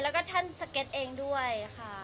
แล้วก็ท่านสเก็ตเองด้วยค่ะ